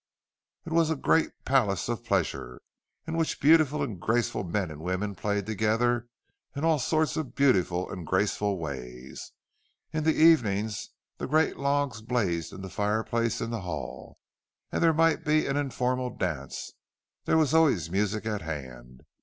It was a great palace of pleasure, in which beautiful and graceful men and women played together in all sorts of beautiful and graceful ways. In the evenings great logs blazed in the fireplace in the hall, and there might be an informal dance—there was always music at hand.